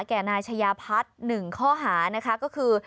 แก่นายชยาพัดหนึ่งค่อหาก็คือ